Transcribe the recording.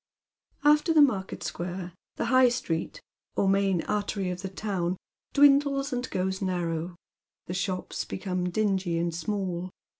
After the market Bquare the high street, or main artery of the town, dwindles and grows narrow. The shops become dingy and small.